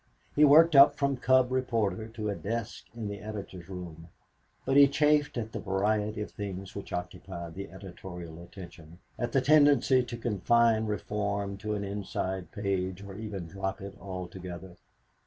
He worked up from cub reporter to a desk in the editor's room. But he chafed at the variety of things which occupied the editorial attention, at the tendency to confine reform to an inside page or even drop it altogether.